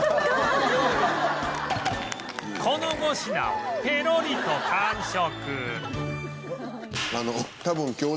この５品をペロリと完食